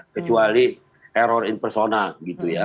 kecuali error in persona gitu ya